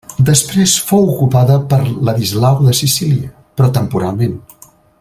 Després fou ocupada per Ladislau de Sicília, però temporalment.